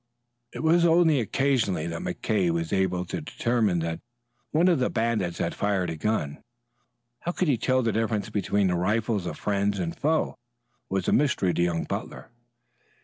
It was only occasionally that McKay was able to determine that one of the bandits had fired a gun. How he could tell the difference between the rifles of friends and foe was a mystery to young Butler.